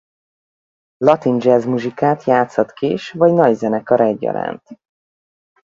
Latin jazz muzsikát játszhat kis- vagy nagyzenekar egyaránt.